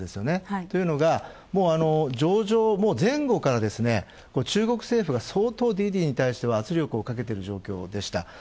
というのが、上場前後から中国政府が相当、滴滴に対しては圧力をかけている状況でした。